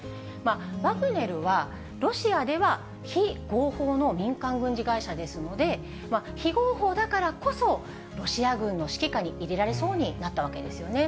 ワグネルはロシアでは非合法の民間軍事会社ですので、非合法だからこそ、ロシア軍の指揮下に入れられそうになったわけなんですよね。